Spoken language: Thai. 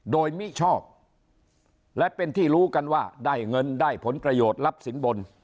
โดยมิชอบและเป็นที่รู้กันว่าได้เงินได้ผลประโยชน์รับสินบน